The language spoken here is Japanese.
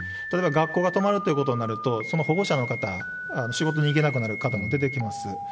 例えば学校が止まるっていうことになると、その保護者の方、仕事に行けなくなる方も出てきます。